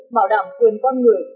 bảo đảm quyền con người